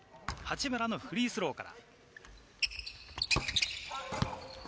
八村のフリースローから。